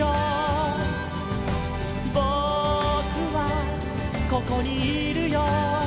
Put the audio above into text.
「ぼくはここにいるよ」